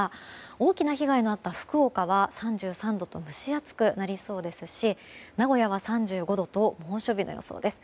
大きな被害のあった福岡は３３度と蒸し暑くなりそうですし名古屋は３５度と猛暑日の予想です。